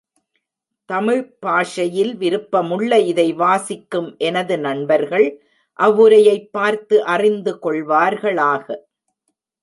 தமிழ்ப் பாஷையில் விருப்பமுள்ள இதை வாசிக்கும் எனது நண்பர்கள் அவ்வுரையைப் பார்த்து அறிந்து கொள்வார்களாக.